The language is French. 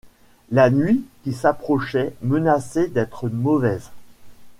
La nuit qui s’approchait menaçait d’être mauvaise.